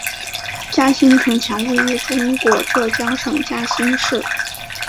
嘉兴城墙位于中国浙江省嘉兴市。